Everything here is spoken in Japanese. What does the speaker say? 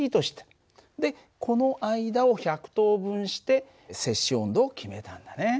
でこの間を１００等分してセ氏温度を決めたんだね。